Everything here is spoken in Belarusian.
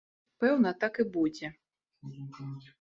Пэўна, так і будзе.